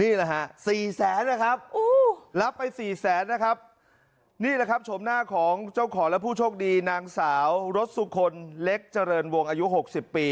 นี่แหละครับชมหน้าของเจ้าขอและผู้โชคดีนางสาวรสสุขลเล็กเจริญวงอายุ๖๐ปี